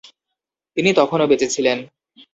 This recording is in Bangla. তিনি তখনো বেঁচে ছিলেন।